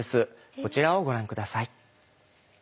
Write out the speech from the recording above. こちらをご覧下さい。